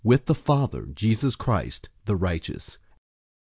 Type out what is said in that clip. } with the Father, Jesus Christ, the righteous.